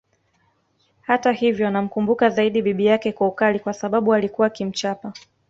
Hata hivyo anamkumbuka zaidi bibi yake kwa ukali kwa sababu alikuwa akimchapa